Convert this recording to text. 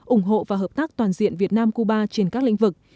ủng hộ và hợp tác toàn diện việt nam cuba trên các lĩnh vực